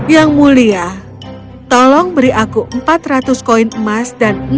yang mulia tolong beri aku empat ratus koin emas dan enam